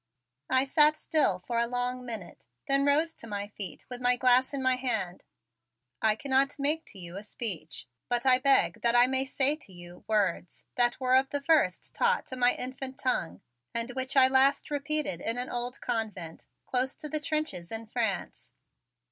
I sat still for a long minute; then I rose to my feet with my glass in my hand. "I cannot make to you a speech, but I beg that I may say to you words that were of the first taught to my infant tongue and which I last repeated in an old convent close to the trenches in France."